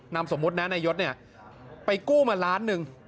นำสมมุติณยศเนี่ยไปกู้มาร้านนึง